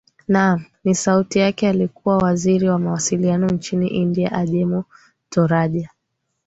naam ni sauti yake alikuwa waziri wa mawasiliano nchini india ajemo toraja